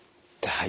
はい。